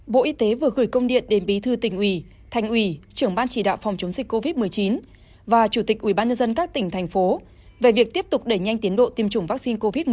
bộ y tế vừa gửi công điện đến bí thư tỉnh ủy thành ủy trưởng ban chỉ đạo phòng chống dịch covid một mươi chín và chủ tịch ubnd các tỉnh thành phố về việc tiếp tục đẩy nhanh tiến độ tiêm chủng vaccine covid một mươi chín